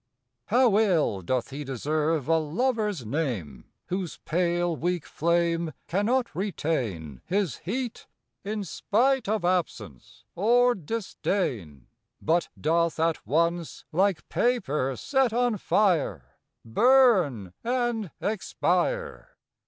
HOW ill doth lie deserve a Lover's name Whose pale weak flame Cannot retain His heat, in spite of absence or disdain ; But doth at once, like paper set on fire, Burn and expire